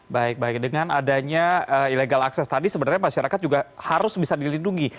baik baik dengan adanya illegal access tadi sebenarnya masyarakat juga harus bisa dilindungi